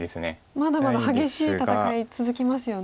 まだまだ激しい戦い続きますよね。